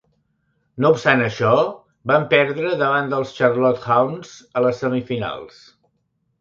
No obstant això, van perdre davant dels Charlotte Hounds a les semi-finals.